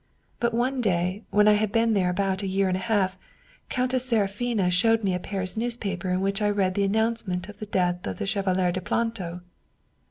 But one day, when I had been there about a year and a half, Countess Seraphina showed me a Paris news paper in which I read the announcement of the death of the Chevalier de Planto."